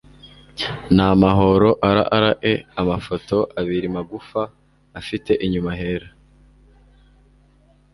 n'amahoro “RRA”, Amafoto abiri magufa afite inyuma hera,